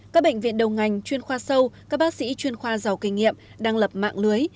các bệnh viện đầu ngành chuyên khoa sâu các bác sĩ chuyên khoa giàu kinh nghiệm đang lập mạng lưới